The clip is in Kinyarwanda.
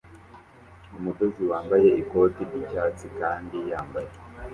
Umudozi wambaye ikoti ry'icyatsi kandi yambaye